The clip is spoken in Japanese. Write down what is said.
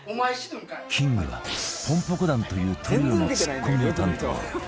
キングはポンポコ団というトリオのツッコミを担当